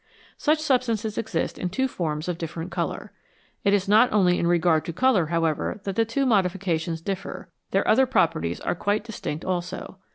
Such substances exist in two forms of different colour. It is not only in regard to colour, however, that the two modifications differ ; their other properties are quite distinct also.